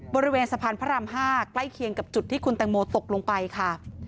บริเวณสะพานพระราม๕ใกล้เคียงกับจุดที่คุณแตงโมตกลงไปค่ะ